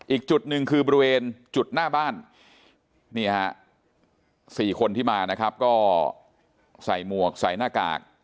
อีกจุดหนึ่งคือบริเวณจุดหน้าบ้านนี่ฮะ๔คนที่มานะครับก็ใส่หมวกใส่หน้ากาก